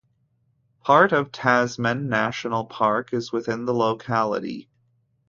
Part of Tasman National Park is within the locality.